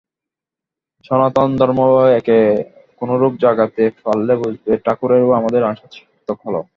সনাতন ধর্মভাবে একে কোনরূপ জাগাতে পারলে বুঝব, ঠাকুরের ও আমাদের আসা সার্থক হল।